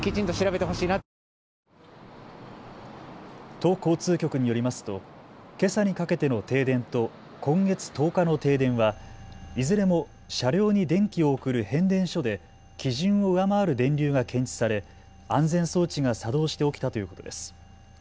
都交通局によりますとけさにかけての停電と今月１０日の停電はいずれも車両に電気を送る変電所で基準を上回る電流が検知され安全装置が作動して起きたということです。